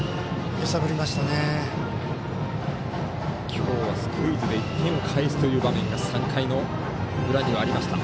今日はスクイズで１点を返すという場面が３回の裏にはありました。